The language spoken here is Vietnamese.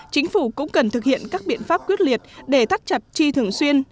chính phủ cũng cần thực hiện các biện pháp quyết liệt để thắt chặt chi thường xuyên